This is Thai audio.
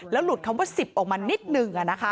แล้วหลุดคำว่าสิบออกมานิดหนึ่ง